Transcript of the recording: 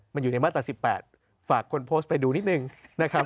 มันอยู่ในมาตรา๑๘ฝากคนโพสต์ไปดูนิดนึงนะครับ